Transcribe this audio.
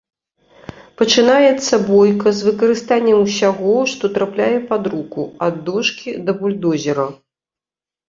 Пачынаецца бойка з выкарыстаннем усяго, што трапляе пад руку, ад дошкі да бульдозера.